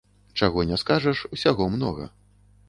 Чаго не скажаш, усяго многа.